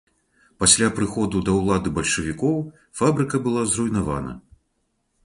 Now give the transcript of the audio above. Пасля прыходу да ўлады бальшавікоў фабрыка была зруйнавана.